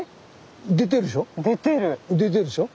出てるでしょ？